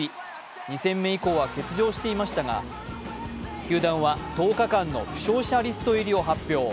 ２戦目以降は欠場していましたが、球団は１０日間の負傷者リスト入りを発表。